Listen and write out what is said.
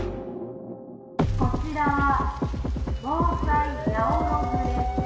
「こちらは防災ヤオロズです」